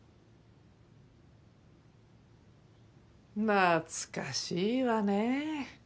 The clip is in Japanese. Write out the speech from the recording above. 懐かしいわねぇ。